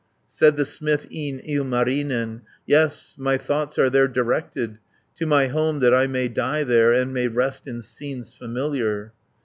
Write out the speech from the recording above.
Said the smith, e'en Ilmarinen, "Yes, my thoughts are there directed 480 To my home that I may die there, And may rest in scenes familiar."